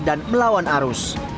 dan melawan arus